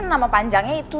cuma nama panjangnya itu